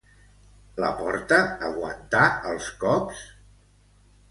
La porta aguantà els cops?